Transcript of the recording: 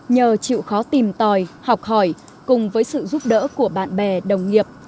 nhờ chịu khó tìm tòi học hỏi cùng với sự giúp đỡ của bạn bè đồng nghiệp